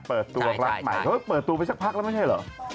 เปิดตัวรับใหม่เขาก็เปิดตัวไปสักพักแล้วไม่ใช่เหรอ